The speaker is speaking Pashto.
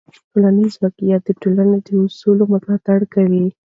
ټولنیز واقیعت د ټولنې د اصولو ملاتړ کوي.